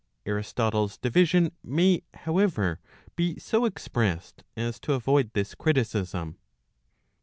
Aristotle's division may, however, be so expressed as to avoid this criticism.